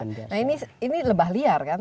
nah ini lebah liar kan